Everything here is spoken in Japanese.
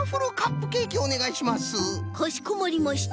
かしこまりました！